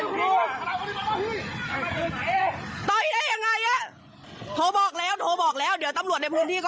ผมยังไม่ได้ไม่ได้เออยังไม่รู้เลยว่าผิดหรือไม่ผิด